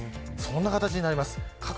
そんな形になります。